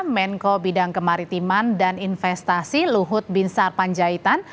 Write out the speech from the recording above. menko bidang kemaritiman dan investasi luhut bin sarpanjaitan